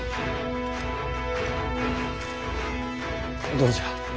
どうじゃ？